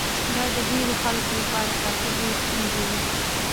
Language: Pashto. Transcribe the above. دا د ډېرو خلکو لپاره کافي لويې ستونزې وې.